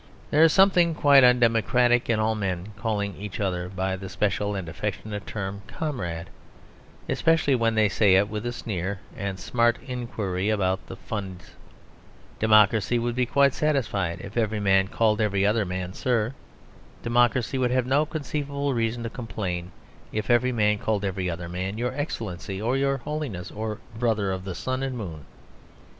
There is something quite undemocratic in all men calling each other by the special and affectionate term "comrade"; especially when they say it with a sneer and smart inquiry about the funds. Democracy would be quite satisfied if every man called every other man "sir." Democracy would have no conceivable reason to complain if every man called every other man "your excellency" or "your holiness" or "brother of the sun and moon."